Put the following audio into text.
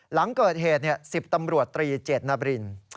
หลังเกิดเหตุ๑๐ตำรวจตรีเจตนาบริน